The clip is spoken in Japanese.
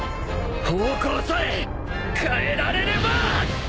方向さえ変えられれば！